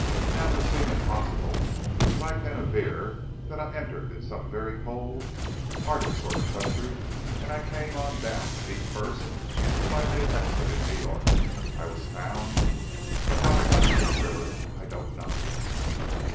Now it would seem impossible, but I can aver that I entered in some very cold, arctic sort of country, and I came on down feet first, till I made exit in New York. I was found, but how I got into the river, I don't know."